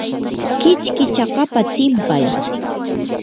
kichki chakapa tsinpay.